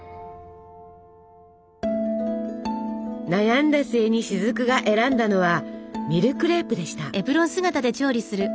悩んだ末に雫が選んだのはミルクレープでした。